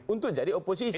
untuk jadi oposisi